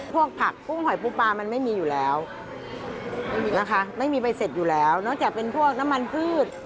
ผักกุ้งหอยปูปลามันไม่มีอยู่แล้วนะคะไม่มีใบเสร็จอยู่แล้วนอกจากเป็นพวกน้ำมันพืช